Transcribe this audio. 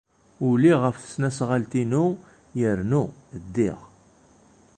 Uliɣ ɣef tesnasɣalt-inu yernu ddiɣ.